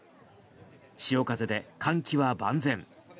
潮風で換気は万全。